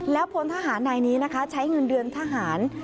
แล้วพลทหารนายนี้นะคะใช้เงินเดือนทหาร